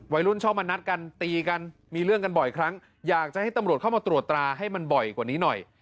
ชอบมานัดกันตีกันมีเรื่องกันบ่อยครั้งอยากจะให้ตำรวจเข้ามาตรวจตราให้มันบ่อยกว่านี้หน่อย